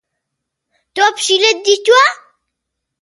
چونکە من کارم بە سەر کاری ئێرانییەکانەوە نەبوو